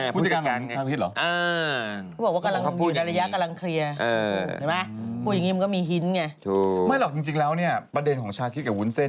ผู้จัดการทางละคริสเหรอ